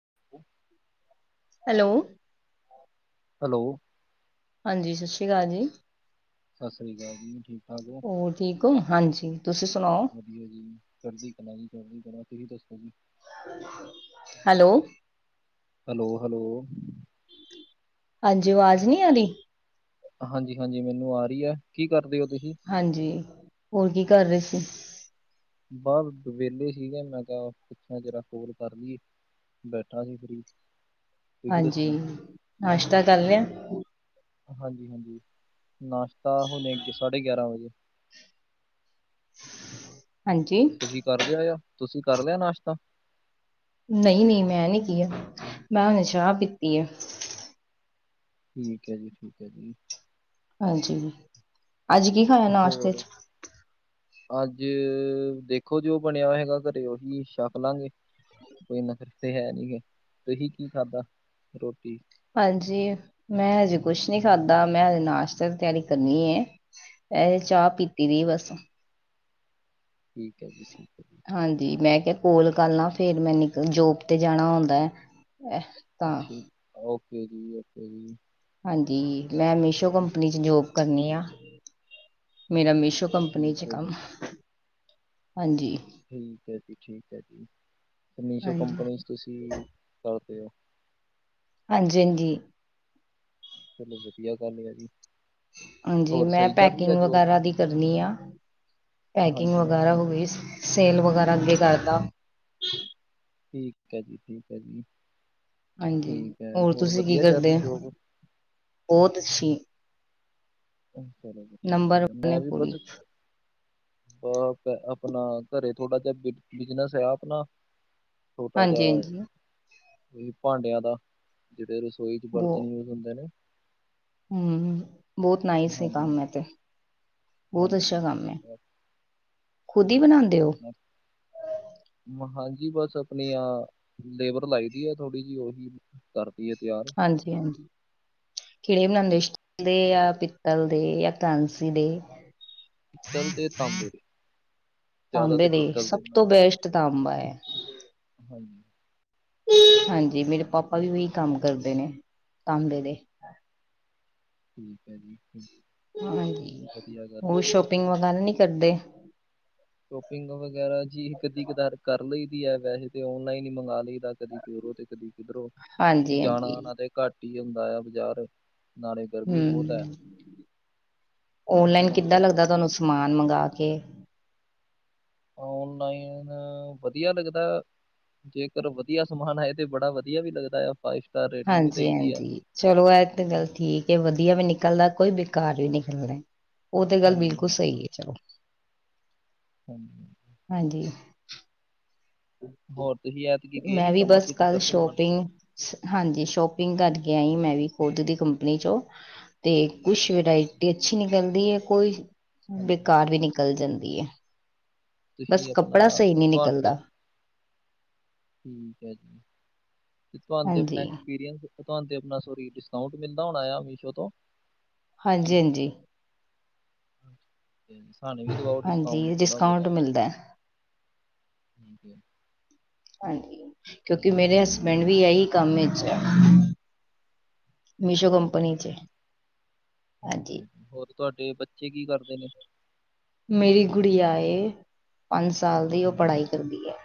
[unintelligible] Hello hello ਹਾਂਜੀ ਸਤਿ ਸ਼੍ਰੀ ਅਕਾਲ ਜੀ ਸਤਿ ਸ੍ਰੀ ਅਕਾਲ ਜੀ ਠੀਕ ਠਾਕ ਹੋ ਹੋਰ ਠੀਕ ਹੋ ਹਾਂਜੀ ਤੁਸੀਂ ਸੁਣਾਓ ਜੀ ਚੜਦੀ ਕਂਲਾ ਤੁਸੀ ਦੱਸੋ ਜੀ ਹੈਲੋ ਹੈਲੋ ਹੈਲੋ ਹਾਂਜੀ ਆਵਾਜ਼ ਨਹੀਂ ਆਦੀ। ਹਾਂਜੀ -ਹਾਂਜੀ ਮੈਨੂੰ ਆ ਰਹੀ ਹੈ ਕੀ ਕਰਦੇ ਹੋ ਤੁਸੀਂ? ਹਾਂਜੀ ਹੋਰ ਕੀ ਕਰ ਰਹੇ ਸੀ? ਬਸ ਵਿਹਲੇ ਸੀਗੇ ਮੈਂ ਕਿਹਾ ਪੁੱਛਿਆ ਜਰਾ ਫੋਨ ਕਰ ਲਈਏ। ਬੈਠਾ ਸੀ ਫਰੀ ਤੁਸੀਂ ਹਾਂਜੀ ਦੱਸੋ ਨਾਸ਼ਤਾ ਕਰ ਲਿਆ? ਹਾਂਜੀ- ਹਾਂਜੀ ਨਾਸ਼ਤਾ ਹੁਣੇ ਸਾਢੇ ਗਿਆਰਾਂ ਵਜੇ। ਹਾਂਜੀ! ਤੁ ਕਰ ਲਿਆ ਯ ਤੁਸੀਂ ਕਰ ਲਿਆ ਨਾਸ਼ਤਾ? ਨਹੀਂ ਨਹੀਂ ਮੈਂ ਨਹੀਂ ਕਿਹਾ ਮੈਂ ਹੁਨੇ ਚਾਹ ਪੀਤੀ ਹੈ ਠੀਕ ਹੈ ਜੀ ਠੀਕ ਹੈ ਜੀ ਹਾਂਜੀ ਅੱਜ ਕੀ? ਖਾਇਆ ਨਾਸ਼ਤੇ ਹੋਰ! ਚ ਅੱਜ ਦੇਖੋ ਜੋ ਬਣਿਆ ਹੈਗਾ ਘਰੇ ਉਹੀ ਛੱਕ ਲਾਂਗੇ। ਕੋਈ ਇੰਨਾ ਫਿਰ ਤੇ ਹੈ ਨੀ ਹੈ ਤੁਸੀਂ ਕੀ ਖਾਧਾ ਰੋਟੀ ਹਾਂਜੀ ਮੈਂ ਹਜੇ ਕੁਛ ਨੀ ਖਾਧਾ ਮੈਂ ਹਜੇ ਨਾਸ਼ਤੇ ਦੀ ਤਿਆਰੀ ਕਰਨੀ ਏ। ਐ ਚਾਹ ਪੀਤੀ ਦੀ ਬਸ ਠੀਕ ਹੈ ਜੀ- ਠੀਕ ਹੈ ਜੀ। ਹਾਂਜੀ ਮੈਂ ਕਿਹਾ ਕੋਲ ਕਰ ਲ ਆ ਫੇਰ ਮੈ ਨਿਕਲ ਜੋਬ ਤੇ ਜਾਣਾ ਹੁੰਦਾ ਏ। ਠੀਕ ਓਕੇ ਜੀ- ਓਕੇ ਜੀ। ਹਾਂਜੀ ਮੈਂ ਮੀਸ਼ੋ ਕੰਪਨੀ 'ਚ ਜੋਬ ਕਰਨੀ ਆ ਮੇਰਾ ਮੀਸ਼ੋ ਕੰਪਨੀ 'ਚ ਠੀਕ ਹੈ ਜੀ, ਕੰਮ ਹਾਂਜੀ। ਠੀਕ ਹੈ ਜੀ- ਠੀਕ ਹੈ ਜੀ ਅਤੇ ਮੀਸ਼ੋ ਹਾਂਜੀ ਕੰਪਨੀ 'ਚ ਤੁਸੀਂ ਕਰਦੇ ਹੋ। ਹਾਂਜੀ -ਹਾਂਜੀ ਚਲੋ ਵਧੀਆ ਗੱਲ ਆ ਜੀ। ਹਾਂਜੀ ਹੋਰ ਮੈਂ ਸਹੀ ਚੱਲ ਰਹੀ ਆ ਪੈਕਿੰਗ ਜੋਬ? ਵਗੈਰਾ ਦੀ ਕਰਨੀ ਆ। ਪੈਕਿੰਗ ਵਗੈਰਾ ਹਾਂਜੀ-ਹਾਂਜੀ, ਹੋ ਗਈ ਸੇਲ ਵਗੈਰਾ ਅੱਗੇ ਕਰਦਾ। ਠੀਕ ਹੈ ਜੀ- ਠੀਕ ਹੈ ਜੀ- ਹਾਂਜੀ ਠੀਕ ਹੈ ਹੋਰ ਤੁਸੀਂ ਕੀ ਵਧੀਆ ਚੱਲ ਰਹੀ ਕਰਦੇ ਜੋਬ ਬਹੁਤ ਅੱਛੀ। ਚਲੋ ਵਧੀਆ ਨੰਬਰ -ਵਧੀਆ ਵਨ ਹੈ ਮੈਂ ਵੀ ਪੂਰੀ ਬਸ ਆਪਣਾ ਘਰੇ ਥੋੜਾ ਜਿਹਾ ਬਿਜਨਸ ਹੈ ਆਪਣਾ ਛੋਟਾ ਹਾਂਜੀ ਜਿਹਾ ਹਾਂਜੀ ਹੀ ਭਾਂਡਿਆਂ ਦਾ ਜਿਹੜੇ ਰਸੋਈ 'ਚ ਬਰਤਨ ਮਿਲਦੇ ਨੇ। ਹੂੰ ਬਹੁਤ ਨਾਈਸ ਏ ਹਾਂਜੀ, ਕੰਮ ਏ ਤੇ ਬਹੁਤ ਹਾਂਜੀ। ਅੱਛਾ ਕੰਮ ਏ। ਹਾਂਜੀ ਜੀ ਜੀ ਮ [inaudible] ਹਾਂਜੀ ਬਸ ਆਪਣੀ ਆ ਲੇਬਰ ਲਾਈ ਦੀ ਆ ਥੋੜ੍ਹੀ ਜਿਹੀ ਉਹੀ ਕਰਦੀ ਏ ਤਿਆਰ ਹਾਂਜੀ -ਹਾਂਜੀ ਕਿਹੜੇ ਬਣਾਦੇ ਹਾਂਜੀ, ਸਟੀਲ ਜਾਂ ਪਿੱਤਲ ਦੇ ਜਾਂ ਕਾਂਸੀ ਦੇ ਪਿੱਤਲ ਤੇ ਤਾਂਬੇ ਦੇ ਜ਼ਿਆਦਾ ਤਾਂਬੇ ਤੇ ਦੇ ਪਿੱਤਲ ਸਭ ਬਣਾ ਤੋਂ ਬੈਸਟ ਤਾਂਬਾ ਐ। ਹਾਂਜੀ [inaudible] ਹਾਂਜੀ ਮੇਰੇ ਪਾਪਾ ਵੀ ਉਹੀ ਕੰਮ ਕਰਦੇ ਨੇ ਤਾਂਬੇ ਦੇ। ਠੀਕ ਹੈ ਜੀ। ਠੀਕ, ਹਾਂਜੀ ਵਧੀਆ ਗੱਲ ਉਹ ਆ ਸ਼ੋਪਿੰਗ ਵਗੈਰਾ ਨਹੀਂ ਕਰਦੇ। ਸ਼ੋਪਿੰਗ ਵਗੈਰਾ ਜੀ ਇਹ ਕਦੀ ਕਦਾਰ ਕਰ ਲਈ ਦੀ ਹੈ ਵੈਸੇ ਤਾਂ ਔਨਲਾਈਨ ਹੀ ਮੰਗਵਾ ਲਈਦਾ ਕਦੀ ਪਰੋ ਤੇ ਕਦੀ ਕਿਧਰੋਂ ਹਾਂਜੀ ਜਾਣਾ ਹਾਂਜੀ ਆਣਾ ਤੇ ਘੱਟ ਹੀ ਹੁੰਦਾ ਆ ਬਜ਼ਾਰ ਹੂੰ ਓਨਲਾਈਨ ਹੁਣ ਕਿੱਦਾਂ ਤੇ ਲੱਗਦਾ ਤੁਹਾਨੂੰ ਸਮਾਨ ਮੰਗਵਾ ਕੇ ਔਨਲਾਈਨ ਵਧੀਆ ਲੱਗਦਾ। ਜੇਕਰ ਵਧੀਆ ਸਮਾਨ ਹੈ ਤੇ ਬੜਾ ਵਧੀਆ ਵੀ ਲੱਗਦਾ ਆ। ਫਾਈਵ ਸਟਾਰ ਰੇਟਿੰਗ ਵੀ ਹਾਂਜੀ ਦੇਈ ਦੀ ਹੈ -ਹਾਂਜੀ ਚਲੋ ਇਹ ਤਾਂ ਗੱਲ ਠੀਕ ਜ ਵਧੀਆ ਵੀ ਨਿਕਲਦਾ ਕੋਈ ਬੇਕਾਰ ਵੀ ਨਿਕਲਦਾ। ਉਹ ਤੇ ਗੱਲ ਹਾਂਜੀ ਬਿਲਕੁਲ ਹਾਂਜੀ ਸਹੀ ਹੈ। ਚਲੋ, ਹਾਂਜੀ- ਹਾਂਜੀ। ਹਾਂਜੀ। ਹੋਰ ਤੁਸੀਂ ਐਤਕੀ ਗਏ ਮੈਂ ਨੀ ਵੀ ਸਮਰ ਬਸ ਚ ਕੱਲ ਕਿੱਧਰ ਘੁੰਮਣ? ਸ਼ੋਪਿੰਗ ਸ ਹਾਂਜੀ ਸ਼ੋਪਿੰਗ ਕਰਕੇ ਆਈ ਮੈਂ ਵੀ ਖੁਦ ਦੀ ਕੰਪਨੀ 'ਚੋਂ ਤੇ ਕੁਛ ਅੱਛਾ ਵਰਾਇਟੀ ਅੱਛੀ ਨਿਕਲਦੀ ਹੈ ਕੋਈ ਹਾਂਜੀ ਬੇਕਾਰ ਵੀ ਨਿਕਲ ਜਾਂਦੀ ਹੈ। ਬਸ ਤੁਸੀਂ ਆਪਣਾ ਕੱਪੜਾ ਸਹੀ ਨਹੀਂ ਤੁਹਾਨੂੰ ਤੇ ਨਿਕਲਦਾ। ਠੀਕ ਹੈ ਜੀ ਤੇ ਤੁਹਾਨੂੰ ਤੇ ਆਪਣਾ ਹਾਂਜੀ ਐਕਸਪੀਰੀਅੰਸ ਤੁਹਾਨੂੰ ਆਪਣਾ ਸੋਰੀ ਡਿਸਕਾਊਂਟ ਮਿਲਦਾ ਹੋਣਾ ਆ ਮੀਸ਼ੋ ਤੋਂ ਹਾਂਜੀ- ਹਾਂਜੀ ਤੇ ਸਾਨੂੰ ਵੀ ਦਵਾਓ ਡਿਸਕਾਊਂਟ ਹਾਂਜੀ ਥੋੜ੍ਹਾ ਡਿਸਕਾਊਂਟ ਬਹੁਤਾ ਮਿਲਦਾ ਹੈ ਹਾਂਜੀ ਹਾਂਜੀ। ਕਿਉਂਕਿ ਮੇਰੇ ਹਸਬੈਂਡ ਵੀ ਇਹੀ ਕੰਮ ਵਿਚ ਏ। 'ਚ ਹਾਂਜੀ ਹੋਰ ਤੁਹਾਡੇ ਬੱਚੇ ਕੀ ਕਰਦੇ ਨੇ? ਮੇਰੀ ਗੁੜੀ ਆਏ। ਪੰਜ ਸਾਲ ਦੀ ਉਹ ਹਮ, ਪੜ੍ਹਾਈ ਵਧਿਆ।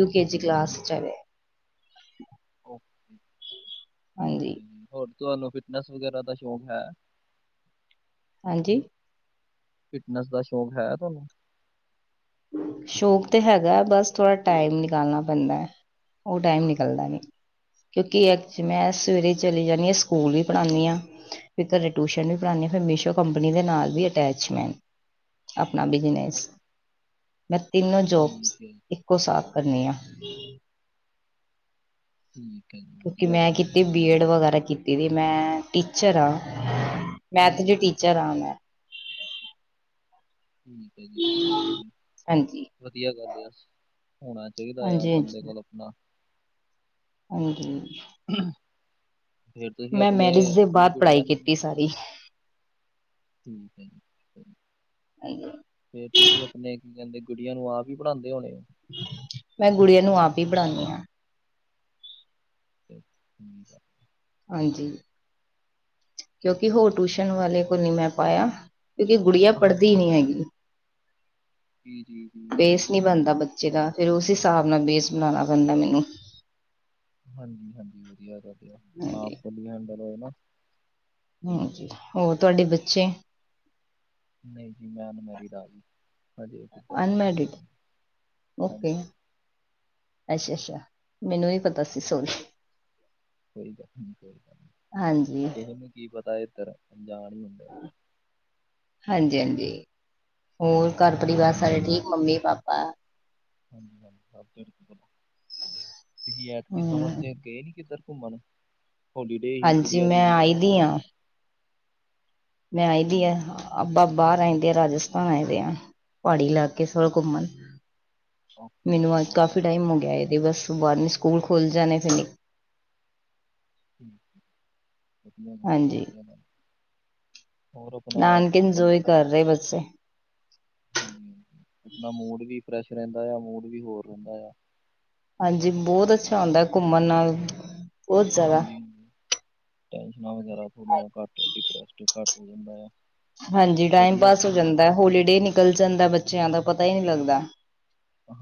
ਯੂਕੇ ਜੀ ਕਲਾਸ ਚ' ਹਾਂਜੀ ਹੋਰ ਤੁਹਾਨੂੰ ਫਿਟਨੈਸ ਵਗੈਰਾ ਦਾ ਸ਼ੌਂਕ ਹੈ। ਹਾਂਜੀ। ਫਿਟਨੈਸ ਦਾ ਸ਼ੌਕ ਹੈ ਤੁਹਾਨੂੰ? ਸ਼ੌਕ ਤੇ ਹੈਗਾ। ਬਸ ਥੋੜ੍ਹਾ ਟਾਈਮ ਨਿਕਾਲਣਾ ਪੈਂਦਾ ਹੈ। ਉਹ ਟਾਈਮ ਨਿਕਲਦਾ ਨਹੀਂ। ਕਿਉਂਕਿ ਅ ਮੈਂ ਸਵੇਰੇ ਚਲੀ ਜਾਂਦੀ ਹਾਂ ਸਕੂਲ ਵੀ ਪੜ੍ਹਾਂਦੀ ਹਾਂ। ਫਿਰ ਘਰੇ ਟਿਊਸ਼ਨ ਵੀ ਪੜ੍ਹਾਨਣੀ ਆ। ਫਿਰ ਮੀਸ਼ੋ ਕੰਪਨੀ ਦੇ ਨਾਲ ਵੀ ਅਟੈਚਮੈਂਟ ਆਪਣਾ ਬਜਨਸ। ਓਕੇ, ਮੈਂ ਤਿੰਨੋ ਠੀਕ ਜੋਬਸ ਹੈ ਇੱਕੋ ਸਾਥ ਕਰਨੀ ਆ। ਠੀਕ ਹੈ ਜੀ। ਕਿਉਂਕਿ ਵਧੀਆ ਮੈਂ ਗੱਲ ਹੈ ਕਿਤੇ ਵਧੀਆ ਬੀ ਗੱਲ ਹੈ। ਐਡ ਵਗੈਰਾ ਕੀਤੀ ਦੀ ਮੈਂ ਟੀਚਰ ਹਾਂਜੀ ਹਾਂ। ਮੈਥ ਜ ਟੀਚਰ ਆ ਮੈਂ। ਠੀਕ ਹੈ ਜੀ, ਠੀਕ ਹੈ ਜੀ ਹਾਂਜੀ ਵਧੀਆ ਗੱਲ ਆ। ਹੋਣਾ ਚਾਹੀਦਾ ਆ ਹਾਂਜੀ- ਬੰਦੇ ਹਾਂਜੀ। ਕੋਲ ਆਪਣਾ ਹਾਂਜੀ। ਫੇਰ ਤੁਸੀਂ ਮੈਂ ਆਪਣੇ ਮੈਰਿਜ ਦੇ ਆਪਣੀ ਬਾਅਦ ਪੜ੍ਹਾਈ ਗੁੜੀਆਂ ਨੂੰ ਕੀਤੀ ਸਾਰੀ। ਠੀਕ ਹੈ ਜੀ, ਹਾਂ, ਫੇਰ ਤੁਸੀਂ ਆਪਣੇ ਕੀ ਕਹਿੰਦੇ ਗੁੜੀਆਂ ਨੂੰ ਆਪ ਹੀ ਪੜਉਂਦੇ ਹੋਣੇ। ਹੋ ਮੈਂ ਗੁੜੀਆਂ ਨੂੰ ਆਪ ਹੀ ਪੜਣਾਉਦੀ ਹਾਂ। ਅਤੇ ਠੀਕ ਆ। ਹਾਂਜੀ। ਕਿਉਂਕਿ ਹੋਰ ਟਊਸ਼ਨ ਵਾਲੇ ਕੋਲ ਨ ਮੈਂ ਪਾਇਆ। ਕਿਉਂਕਿ ਗੁੜੀਆਂ ਆ ਪੜ੍ਹਦੀ ਹਾਂਜੀ ਹੀ ਨਹੀਂ ਹੈਗੀ। ਜੀ, ਜੀ, ਜੀ। ਬੇਸ ਨਹੀਂ ਬਣਦਾ ਬੱਚੇ ਦਾ ਫਿਰ ਉਸ ਹਿਸਾਬ ਨਾਲ ਬੇਸ ਬਣਾਉਣਾ ਪੈਂਦਾ ਮੈਨੂੰ। ਹਾਂਜੀ- ਹਾਂਜੀ ਵਧੀਆ ਹਾਂਜੀ -ਵਧੀਆ ਹਡਲ ਹੋਏ ਨਾ। ਠੀਕ। ਹਾਂਜੀ। ਹੋਰ ਤੁਹਾਡੇ ਬੱਚੇ ਨਹੀਂ ਜੀ, ਮੈਂ ਅਨਮੈਰੀਿਡ ਆ। ਗਈ ਹਜੇ ਉਹ ਕਿੱਰ ਅਨਮੈਰਿਡ ਹਾਂਜੀ। ਓਕੇ ਅੱਛਾ- ਅੱਛਾ ਮੈਨੂੰ ਹੀ ਪਤਾ ਸੀ ਸੋਨ। ਕੋਈ ਗੱਲ ਨਹੀਂ ਕੋਈ ਗੱਲ ਨਹੀਂ ਹਾਂਜੀ ਕਿਸੇ ਨੂੰ ਕੀ ਪਤਾ ਇਧਰ ਅਣਜਾਣ ਹੁੰਦੀ। ਹ [inaudible] ਹਾਂਜੀ- ਹਾਂਜੀ ਹੋਰ ਘਰ ਪਰਿਵਾਰ ਸਾਰੇ ਠੀਕ। Mummy -papa. ਹਾਂਜੀ ਹਾਂਜੀ ਸੋ ਤੁਸੀਂ ਐਤਕ ਸਮਰ ਹਮ ਤੇ ਗਏ ਨੀ ਕਿੱਧਰ ਘੁੰਮਣ ਹੋਲੀਡੇ ਹੀ ਹਾਂਜੀ ਗੁੜਆ ਦੇ ਮੈਂ ਹੀ ਆਈ ਜਾਣਾ ਦੀ ਹੀ ਹਾਂ ਮੈਂ ਆਈਦੀ ਆ ਠੀਕ ਹੈ ਆਪ ਬਾਹਰ ਆਈਦੇ ਆ ਰਾਜਸਥਾਨ ਆਏਦੇ ਆ। ਪਹਾੜੀ ਇਲਾਕੇ ਠੀਕ ਘੁੰਮਣ ਓਕੇ ਮੈਨੂੰ ਓਕੇ ਅੱਜ ਕਾਫੀ ਵਧੀਆ ਟਾਈਮ ਹੋ ਗਿਆ ਬਸ ਬਾਹਰਨੀ ਸਕੂਲ ਖੁਲ ਜਾਣੇ ਫਿਰ। ਠੀਕਧਆਆ ਹਾਂਜੀ [unintelligible] ਨਾਨਕਣ ੲਨਜੋ ਹੀ ਕਰ ਰਹੇ ਬੱਚੇ। ਹਾਂਜੀ- ਹਾਂਜੀ ਆਪਣਾ ਮੂਡ ਵੀ ਫਰੈਸ਼ ਰਹਿੰਦਾ ਆ ਮੂਡ ਵੀ ਹੋਰ ਰਹਿੰਦਾ ਆ। ਹਾਂਜੀ, ਬਹੁਤ ਅੱਛਾ ਆਉਂਦਾ ਹੈ ਘੁੰਮਣ ਨਾਲ। ਬਹੁਤ ਜ਼ਿਆਦਾ ਹਾਂਜੀ- ਹਾਂਜੀ ਟੈਸ਼ਨਾਂ ਵਗੈਰਾ ਥੋੜੀਆਂ ਘੱਟ ਡਿਪਰੈਸਡ ਘੱਟ ਹੋ ਜਾਂਦਾ ਆ। ਹਾਂਜੀ। ਟਾਈਮ ਵਧੀਆ ਪਾਸ ਹੋ ਵਧੀਆ ਜਾਂਦਾ ਹੋਲੀਡੇ ਨਿਕਲ ਜਾਂਦਾ ਬੱਚਿਆਂ ਦਾ ਪਤਾ ਹੀ ਨਹੀਂ ਲੱਗਦਾ।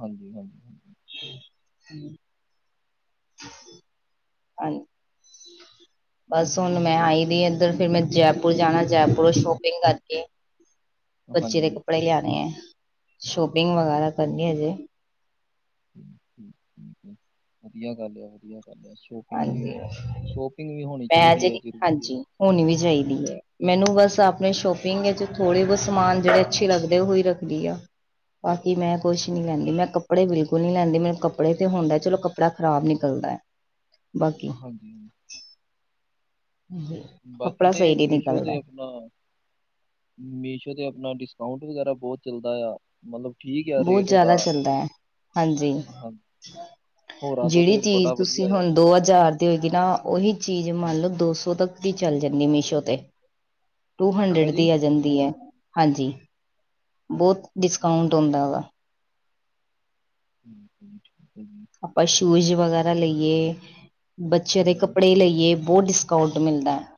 ਹਾਂਜੀ- ਹਾਂਜੀ। ਹਾਂਜੀ ਅ [unintelligible] ਬਸ ਹੁਣ ਮੈਂ ਤੇ ਆਈ ਦੀ ਇੱਧਰ ਫਿਰ ਮੈਂ ਜੈਪੁਰ ਜਾਣਾ। ਜੈਪੁਰ ਸ਼ੋਪਿੰਗ ਕਰਕੇ ਬੱਚੇ ਦੇ ਹਾਂਜੀ ਕੱਪੜੇ ਲਿਆਣੇ ਹੈ ਸ਼ੋਪਿੰਗ ਵਗੈਰਾ ਕਰਨੀ ਹੈਜੇ ਠੀਕ ਵਧੀਆ ਗੱਲ ਹੈ ਵਧੀਆ ਗੱਲ ਹੈ ਸ਼ੋਪਿੰਗ ਵੀ ਹਾਂਜੀ ਸ਼ੋਪਿੰਗ ਵੀ ਹੋਣੀ ਮੈਂ ਚਾਹੀਦੀ ਅਜੇ ਹੈ ਨੀ- ਜ਼ਰੂਰੀ ਹੈ ਹਾਂਜੀ ਹੋਣੀ ਵੀ ਚਾਹੀਦੀ ਹੈ ਮੈਨੂੰ ਬਸ ਆਪਣੇ ਸ਼ੋਪਿੰਗ ਵਿੱਚ ਥੋੜ੍ਹੇ ਬਹੁਤ ਸਮਾਨ ਜਿਹੜੇ ਅੱਛੇ ਲੱਗਦੇ ਹੋਈ ਰੱਖਦੀ ਆ ਬਾਕੀ ਮੈਂ ਕੁਛ ਨੀ ਲੈਂਦੀ ਮੈਂ ਕੱਪੜੇ ਬਿਲਕੁਲ ਨੀ ਲੈਂਦੀ ਮੈਨੂੰ ਕੱਪੜੇ ਤੇ ਹੁੰਦਾ ਚਲੋ ਕੱਪੜਾ ਖਰਾਬ ਨਿਕਲਦਾ ਬਾਕੀ ਹਾਂਜੀ ਹਾਂਜੀ ਬਾਕੀ ਕੱਪੜਾ ਸਹੀ ਤੇ ਨਹੀਂ ਮੀਸ਼ੋ ਨਿਕਲਦਾ ਤੇ ਆਪਣਾ ਮੀਸ਼ੋ 'ਤੇ ਆਪਣਾ ਡਿਸਕਾਊਂਟ ਵਗੈਰਾ ਬਹੁਤ ਚੱਲਦਾ ਆ ਮਤਲਬ ਠੀਕ ਆ ਬਹੁਤ ਰੇਟ ਉਹਦਾ ਜ਼ਿਆਦਾ ਚੱਲਦਾ ਹੈ ਹਾਂਜੀ ਹਾਂ ਹੋਰਾਂ ਤੋਂ ਜਿਹੜੀ ਤੇ ਚੀਜ਼ ਬੜਾ ਵਧੀਆ ਤੁਸੀਂ ਆ ਹੁਣ ਦੋ ਹਜ਼ਾਰ ਤੇ ਹੋਏਗੀ ਨਾ ਉਹੀ ਚੀਜ਼ ਹਾਂ, ਮੰਨ ਲਓ ਦੋ ਸੌ ਤੱਕ ਦੀ ਚੱਲ ਜਾਂਦੀ ਮੀਸ਼ੋ ਤੇ, ਟੂ ਅੱਛਾ ਹੰਡਰਡ ਜੀ ਦੀ ਆ ਜਾਂਦੀ ਹੈ ਹਾਂਜੀ ਬਹੁਤ ਡਿਸਕਾਊਂਟ ਠੀਕ ਹੁੰਦਾ ਵਾ ਹੂੰ ਆਪਾਂ ਸ਼ੂਜ ਵਗੈਰਾ ਲਈਏ ਬੱਚਿਆਂ ਦੇ ਹਾਂਜੀ ਕੱਪੜੇ ਲਈਏ ਬਹੁਤ ਡਿਸਕਾਊਂਟ ਮਿਲਦਾ ਹੈ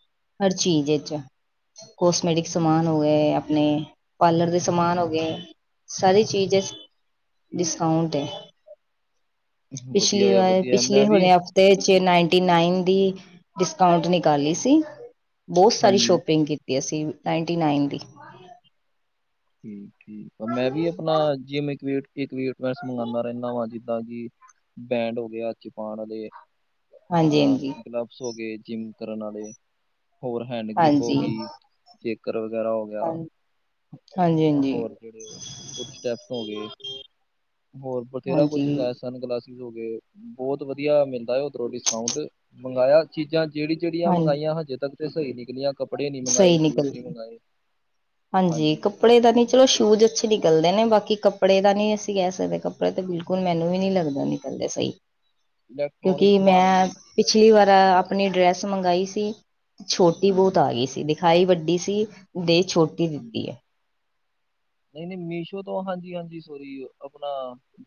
ਹਰ ਚੀਜ਼ ਵਿੱਚ ਕੋਸਮੈਟਿਕ ਸਮਾਨ ਠੀਕ ਹੈ ਹੋ ਗਏ ਆਪਣੇ ਪਾਰਲਰ ਦੇ ਸਮਾਨ ਹੋ ਹਾਂਜੀ ਗਏ ਸਾਰੀ ਚੀਜ਼ ਡਿਸਕਾਊਂਟ ਹੈ ਵਧੀਆ ਪਿਛਲੀ ਆ ਵਾਰ ਵਧੀਆ ਆ। ਮੈਂ ਪਿਛਲੇ ਵੀ ਹੋਣੇ ਆਪ ਤੇ ਚੇ ਨਾਈਨਟੀ ਨਾਈਨ ਦੀ ਡਿਸਕਾਊਟ ਨਿਕਾਲੀ ਸੀ ਬਹੁਤ ਸਾਰੀ ਹਾਂਜੀ ਸ਼ੋਪਿੰਗ ਕੀਤੀ ਅਸੀਂ ਨਾਈਨਟੀ ਨਾਈਨ ਦੀ ਠੀਕ ਠੀਕ ਆ ਮੈਂ ਵੀ ਆਪਣਾ ਜਿਵੇੈਂਸ ਮੰਗਵਾਉਂਦਾ ਰਹਿੰਦਾ ਵਾਂ ਜਿੱਦਾਂ ਕਿ ਬੈਂਡ ਹੋ ਗਿਆ ਚਪਾਨ ਵਾਲੇ ਹਾਂਜੀ ਆਪਣਾ ਹਾਂਜੀ ਕਲੱਬਸ ਹੋ ਗਏ ਜਿੰਮ ਕਰਨ ਵਾਲੇ ਹੋਰ ਹੈਂਡ ਗ੍ਰਿਪ ਹੋ ਹਾਂਜੀ ਗਈ ਚੇਕਰ ਵਗੈਰਾ ਹੋ ਗਿਆ ਹਾਂਜੀ ਹਾਂਜੀ ਹਾਂਜੀ ਹੋਰ ਜਿਹੜੇ ਸਟੈਪਸ ਹੋ ਗਏ ਹੋਰ ਬਥੇਰਾ ਕੁਛ ਹਾਂਜੀ ਮਗਾਇਆ ਸਨ ਗਲਾਸ ਹੋਗੇ ਬਹੁਤ ਵਧੀਆ ਮਿਲਦਾ ਹੈ ਉਹ ਡਿਸਕਾਊਂਟ ਮੰਗਾਇਆ ਚੀਜ਼ਾਂ ਜਿਹੜੀ ਜਿਹੜੀਆਂ ਹਾਂਜੀ ਮੰਗਾਈਆਂ ਹਜੇ ਤੱਕ ਤੇ ਸਹੀ ਨਿਕਲੀਆਂ ਕੱਪੜੇ ਨਹੀਂੀ ਮੰਗਵਾਏ ਸਹੀ ਸ਼ੂਜ ਨਿਕਲ ਨਹੀਂੀ ਮੰਗਵਾਏ ਹਾਂਜੀ ਕੱਪੜੇ ਦਾ ਨਹੀਂ ਚਲੋ ਸ਼ੂਜ਼ ਅੱਛੇ ਨਿਕਲਦੇ ਨੇ ਬਾਕੀ ਕੱਪ ਕੱਪੜੇ ਦਾ ਨਹੀਂ ਅਸੀਂ ਕਹਿ ਸਕਦੇ ਕੱਪੜੇ ਤੇ ਬਿਲਕੁਲ ਮੈਨੂੰ ਵੀ ਨਹੀਂ ਲੱਗਦਾ ਨਿਕਲਦੇ ਸਹੀ ਇਲੈਕਟ੍ਰੋਨਿਕ ਕਿਉਂਕਿ ਸਮਾਨ ਵੀ ਮੈਂ ਨੀ ਹਜੇ ਤੱਕ ਪਿਛਲੀ ਵਾਰ ਮੰਗਾਇਆ। ਆਪਣੀ ਡਰੈਸ ਮੰਗਾਈ ਸੀ ਛੋਟੀ ਬਹੁਤ ਹਾਂਜੀ ਆ ਗਈ ਸੀ ਦਿਖਾਈ ਵੱਡੀ ਸੀ ਦੇ ਛੋਟੀ ਹਾਂਜੀ ਦਿੱਤੀ ਹੈ ਨਹੀਂ ਨਹੀਂ ਮੀਸ਼ੋ ਤੋਂ ਹਾਂਜੀ ਹਾਂਜੀ ਸੋਰੀ ਆਪਣਾ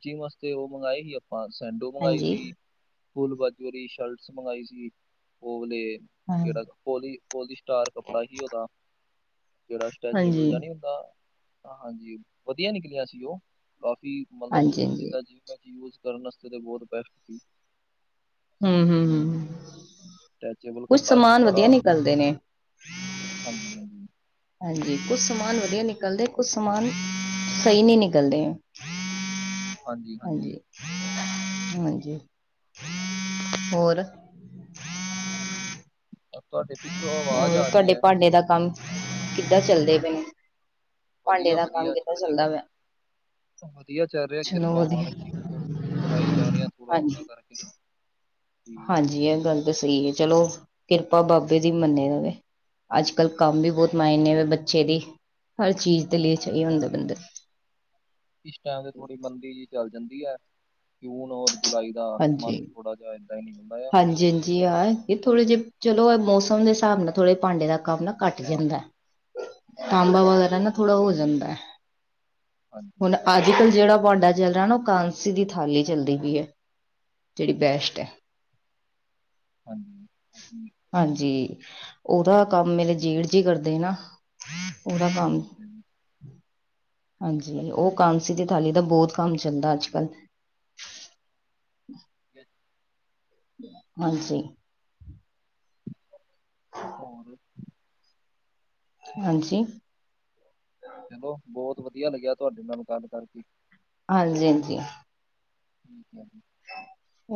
ਜਿਮ ਵਾਸਤੇ ਉਹ ਮੰਗਵਾਏ ਹੀ ਆਪਾਂ ਸੈਂਡੋ ਮੰਗਵਾਈ ਹਾਂਜੀ ਸੀ ਫੁਲ ਬਾਜ਼ੀ ਸ਼ਰਟਸ ਮੰਗਵਾਈ ਸੀ ਉਹਲੇ ਹਾਂ। ਕਿਹੜਾ ਪੋਲੀ ਪੋਲੀ ਸਟਾਰ ਕੱਪੜਾ ਹੀ ਉਹਦਾ ਜਿਹੜਾ ਸਟੈਚੇਬਲ ਹਾਂਜੀ। ਜਾਂ ਨਹੀ ਹੁੰਦਾ ਹਾਂਜੀ, ਵਧੀਆ ਨਿਕਲਿਆਂ ਸੀ ਉਹ ਕਾਫੀ ਮਤਲਬ ਹਾਂਜੀ-ਹਾਂਜੀ। ਜਿੱਦਾਂ ਜਿ ਯ ਕਰਨ ਵਾਸਤੇ ਤੇ ਬਹੁਤ ਬੈਸਟ ਸੀ ਹੂੰ ਹੂੰ ਹੂੰ ਟੈਚੇਬਲ ਕੁਛ ਕੱਪੜਾ ਸੀ ਸਮਾਨ ਵਧੀਆ ਨਿਕਲਦੇ ਨੇ ਹਾਂਜੀ ਹਾਂਜੀ ਹਾਂਜੀ ਕੁਛ ਸਮਾਨ ਵਧੀਆ ਨਿਕਲਦੇ ਕੁਛ ਸਮਾਨ ਸਹੀ ਨਹੀਂੀ ਨਿਕਲਦੇ ਹੈ ਹਾਂ ਹਾਂਜੀ-ਹਾਂਜੀ। ਹਾਂਜੀ ਹਾਂਜੀ ਹੋਰ ਤੁਹਾਡੇ ਪਿੱਛੋਂ ਆਵਾਜ਼ ਹੋਰ ਆ ਰਹੀ ਤੁਹਾਡੇ ਹੈ ਭਾਂਡੇ ਦਾ ਕੰਮ ਕਿੱਦਾਂ ਚੱਲਦੇ ਪੈਨੂੰ ਵਧੀਆ ਵਧੀਆ ਚੜ੍ਹ ਜ ਗੱਲ ਆ ਵਧੀਆ ਚੱਲ ਰਿਹਾ ਚਲੋ ਕਿਰਪਾ ਵਧੀਆ, ਮਾਲਕ ਜ ਚਲਾਈ ਜਾ ਰਿਹਾ ਥੋੜ੍ਹਾ ਥੋੜ੍ਹਾ ਕਰਕੇ ਜੀ-ਜੀ। ਹਾਂਜੀ ਇਹ ਗੱਲ ਤਾਂ ਸਹੀ ਹੈ ਚਲੋ ਕਿਰਪਾ ਬਾਬੇ ਦੀ ਮੰਨੇ ਜਾਵੇ ਅੱਜ ਕੱਲ੍ਹ ਕੰਮ ਵੀ ਬਹੁਤ ਮਾਇਨੇ ਵ ਬੱਚੇ ਦੀ, ਹਰ ਚੀਜ਼ ਦੇ ਲਈ ਸਹੀ ਹੁੰਦਾ ਬੰਦੇ ਇਸ ਟਾਈਮ ਤੇ ਥੋੜ੍ਹੀ ਮੰਦੀ ਜਿਹੀ ਚੱਲ ਜਾਂਦੀ ਹੈ ਜੂਨ ਔਰ ਜੁਲਾਈ ਜਾਂ ਮਨ ਹਾਂਜੀ। ਥੋੜਾ ਜਹਾ ਏਦਾਂ ਹੀ ਹੁੰਦਾ ਆ ਜੀ ਹ ਇਹ ਥੋੜੇ ਜਿਹੇ ਚਲੋ ਮੌਸਮ ਦੇ ਹਿਸਾਬ ਨਾਲ ਥੋੜੇ ਭਾਂਡੇ ਦਾ ਕੰਮ ਨਾ ਘੱਟ ਹਾਂ ਜਾਂਦਾ ਜੀ-ਜੀ ਤਾਂਬਾ ਵਗੈਰਾ ਬਿਲਕੁਲ ਨਾ ਥੋੜਾ ਹੋ ਜਾਂਦਾ ਹੈ ਹੁਣ ਹਾਂਜੀ-ਹਾਂਜੀ, ਅੱਜ ਕੱਲ੍ਹ ਜਿਹੜਾ ਤੁਹਾਡਾ ਚੱਲ ਰਿਹਾ ਨਾ ਉਹ ਕਾਂਸੀ ਦੀ ਥਾਲੀ ਚੱਲਦੀ ਪਈ ਹੈ। ਜਿਹੜੀ ਬੈਸਟ ਹੈ। ਹਾਂਜੀ ਹੀ ਹਾਂਜੀ, ਉਹਦਾ ਕੰਮ ਮੇਰੇ ਜੇਠ ਜੀ ਕਰਦੇ ਨਾ ਪੂਰਾ ਕੰਮ ਠੀਕ ਹੈ ਜੀ। ਹਾਂਜੀ ਉਹ ਕਾਂਸੀ ਦੀ ਥਾਲੀ ਦਾ ਬਹੁਤ ਕੰਮ ਚੱਲਦਾ ਅੱਜ ਕੱਲ੍ਹ। ਠੀ ਹਾਂਜੀ ਹੋਰ ਹਾਂਜੀ ਚਲੋ, ਬਹੁਤ ਵਧੀਆ ਲੱਗਿਆ ਤੁਹਾਡੇ ਨਾਲ ਗੱਲ ਕਰਕੇ ਹਾਂਜੀ -ਹਾਂਜੀ। ਠੀਕ ਹੈ ਜੀ।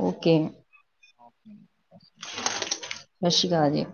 ਓਕੇ ਓਕੇ ਬ ਸਤਿ ਸ਼੍ਰੀ ਅਕਾਲ ਜੀ।